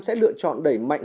sẽ lựa chọn đẩy mạnh